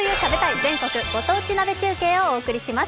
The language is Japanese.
全国ご当地鍋中継」をお送りします。